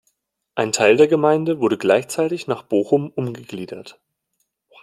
Ein Teil der Gemeinde wurde gleichzeitig nach Bochum umgegliedert.